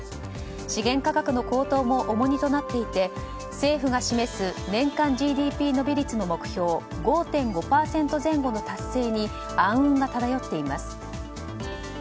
資源価格の高騰も重荷となっていて政府が示す年間ＧＤＰ伸び率の目標５．５％前後の達成に暗雲が漂っています。